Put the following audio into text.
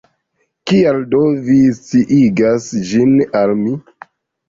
Kial, do, vi sciigas ĝin al mi?